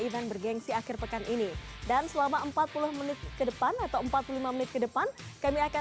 event bergensi akhir pekan ini dan selama empat puluh menit ke depan atau empat puluh lima menit ke depan kami akan